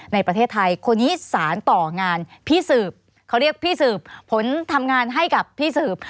ในประเทศไทยคนนี้สารต่องานพี่สืบเขาเรียกพี่สืบผลทำงานให้กับพี่สืบ